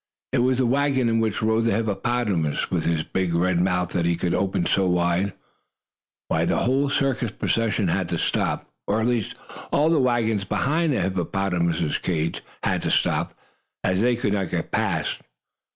It was the wagon in which rode the hippopotamus, with his big red mouth that he could open so wide. The whole circus procession had to stop, or at least all the wagons behind the hippopotamus cage, had to stop, as they could not get past.